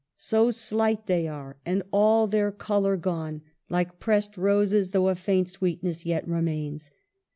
So slight they are, and all their color gone, like pressed roses, though a faint sweet ness yet remains.